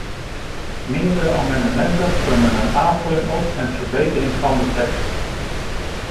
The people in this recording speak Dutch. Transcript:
Meerdere amendementen vormen een aanvulling op en verbetering van de tekst.